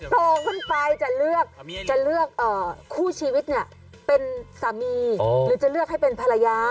โตขึ้นไปจะเลือกคู่ชีวิตเนี่ยเป็นสามีหรือจะเลือกให้เป็นภรรยา